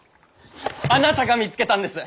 あなたが見つけたんです！